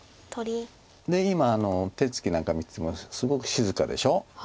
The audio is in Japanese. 今手つきなんか見ててもすごく静かでしょ。